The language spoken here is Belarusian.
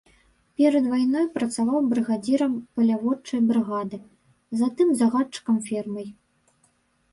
Перад вайной працаваў брыгадзірам паляводчай брыгады, затым загадчыкам фермай.